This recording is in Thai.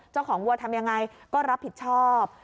เจ้าของวัวทำยังไงก็รับผิดชอบ